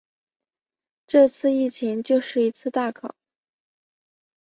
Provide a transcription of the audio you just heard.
这次疫情就是一次大考